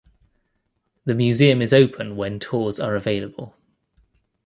The museum is open when tours are available.